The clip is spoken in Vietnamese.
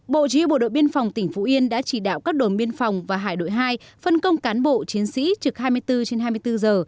bộ chỉ huy bộ đội biên phòng tỉnh phú yên đã chỉ đạo các đồn biên phòng và hải đội hai phân công cán bộ chiến sĩ trực hai mươi bốn trên hai mươi bốn giờ